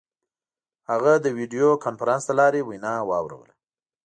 هغه د ویډیو کنفرانس له لارې وینا واوروله.